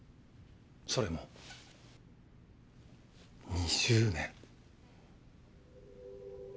それも２０年。